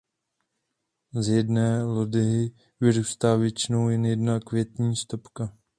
Z jedné lodyhy vyrůstá většinou jen jedna květní stopka.